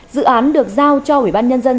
dự án được giao cho ủy ban nhân dân